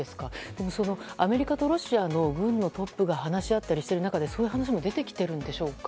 でも、アメリカとロシアの軍のトップが話し合ったりしている中でそういう話も出てきているんでしょうか？